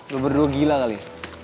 lo berdua gila kali